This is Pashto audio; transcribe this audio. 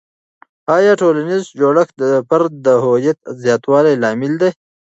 آیا ټولنیز جوړښت د فرد د هویت زیاتوالي لامل دی؟